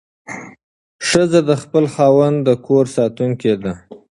ښځه د خپل خاوند د کور ساتونکې ده.